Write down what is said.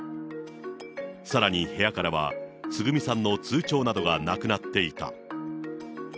さらに部屋からは、つぐみさんの通帳などがなくなっていた。